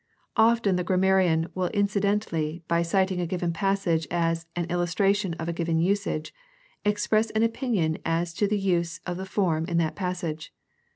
Often the grammarian will incidentally, by citing a given passage as an illustration of a given usage, express an opinion as to the use of the form in that passage.